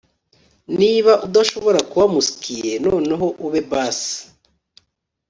niba udashobora kuba muskie noneho ube bass